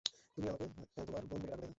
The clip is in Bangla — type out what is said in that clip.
তুমি আমাকে তোমার বোন বলে ডাকো, তাই না?